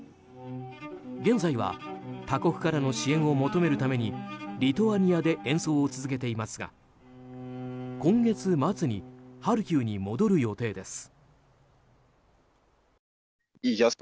現在は他国からの支援を求めるためにリトアニアで演奏を続けていますが今月末にハルキウに戻る予定です。